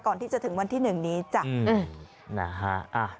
ก่อนที่จะถึงวันที่หนึ่งนี้จ้ะ